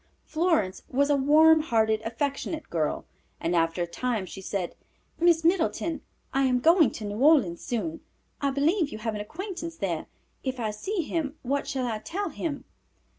Florence was a warm hearted, affectionate girl, and after a time she said, "Miss Middleton, I am going to New Orleans soon. I believe you have an acquaintance there. If I see him what shall I tell him?"